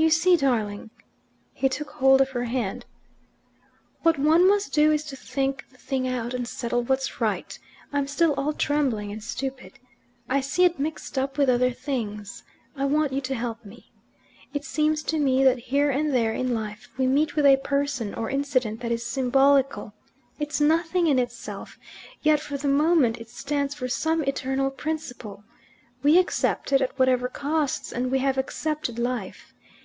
"You see, darling" he took hold of her hand "what one must do is to think the thing out and settle what's right, I'm still all trembling and stupid. I see it mixed up with other things. I want you to help me. It seems to me that here and there in life we meet with a person or incident that is symbolical. It's nothing in itself, yet for the moment it stands for some eternal principle. We accept it, at whatever costs, and we have accepted life.